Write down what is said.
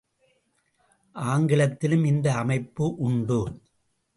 ஆங்கிலத்திலும் இந்த அமைப்பு உண்டு.